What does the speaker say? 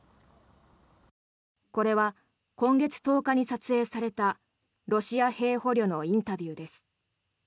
これは今月１０日に撮影されたロシア兵捕虜のインタビューです。